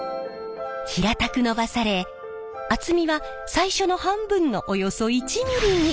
平たくのばされ厚みは最初の半分のおよそ１ｍｍに。